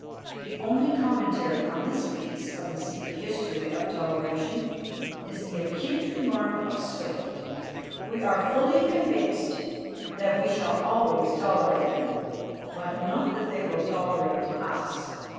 The only commentary on this piece of the secret history of toleration is the acute remark of Swift: "We are fully convinced that we shall always tolerate them, but not that they will tolerate us."